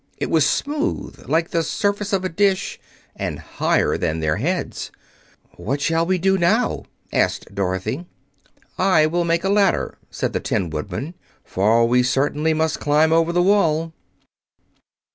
It was smooth, like the surface of a dish, and higher than their heads. "What shall we do now?" asked Dorothy. "I will make a ladder," said the Tin Woodman, "for we certainly must climb over the wall."